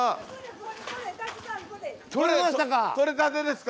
とれましたか！